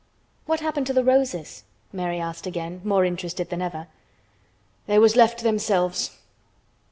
"What happened to the roses?" Mary asked again, more interested than ever. "They was left to themselves."